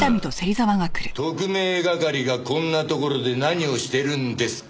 特命係がこんなところで何をしてるんですか？